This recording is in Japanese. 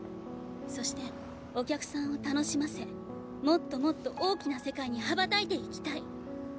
そしてお客さんを楽しませもっともっと大きな世界に羽ばたいていきたい。